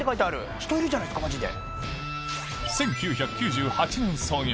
人いるじゃないですかマジで。